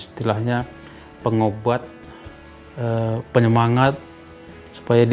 terus anggap cancel ini nice ct widz